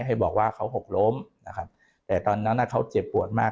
ให้บอกว่าเขาหกล้มแต่ตอนนั้นน่ะเขาเจ็บปวดมาก